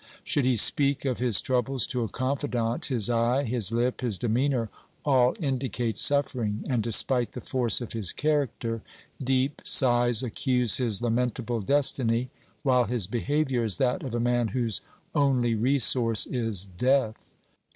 Should he speak of his troubles to a confidant, his eye, his lip, his demeanour all indicate suffering, and despite the force of his character, deep sighs accuse his lamentable destiny, while his behaviour is that of a man whose only resource is death.